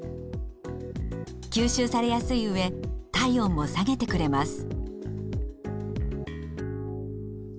吸収されやすいうえ体温も下げてくれます。